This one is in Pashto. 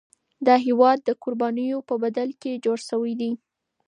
دا هیواد د قربانیو په بدل کي جوړ شوی دی.